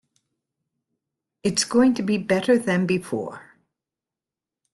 It is going to be better than before.